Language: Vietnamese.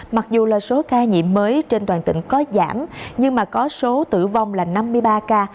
mặc dù là số ca nhiễm mới trên toàn tỉnh có giảm nhưng mà có số tử vong là năm mươi ba ca